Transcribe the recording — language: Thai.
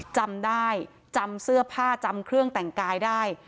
จำได้จำเสื้อผ้าจำเครื่องแต่งกายได้